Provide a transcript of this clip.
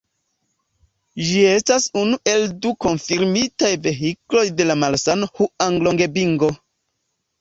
Ĝi estas unu el du konfirmitaj vehikloj de la malsano hŭanglongbingo.